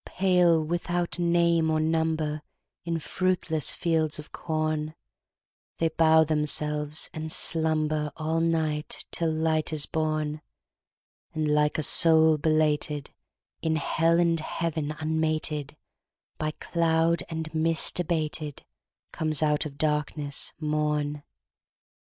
Pale, without name or number, In fruitless fields of corn, They bow themselves and slumberAll night till light is born; And like a soul belated, In hell and heaven unmated, By cloud and mist abatedComes out of darkness morn.